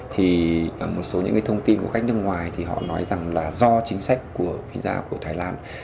thì một số những cái thông tin của khách nước ngoài thì họ nói rằng là do chính sách của visa của thái lan